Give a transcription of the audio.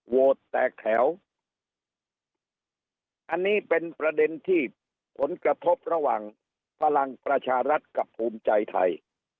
แตกแถวอันนี้เป็นประเด็นที่ผลกระทบระหว่างพลังประชารัฐกับภูมิใจไทย